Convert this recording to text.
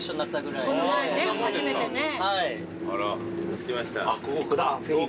着きました。